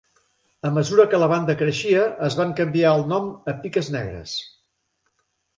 A mesura que la banda creixia, es van canviar el nom a Piques negres.